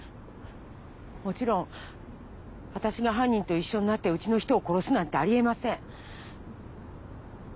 もちろん私が犯人と一緒になってうちの人を殺すなんてありえません！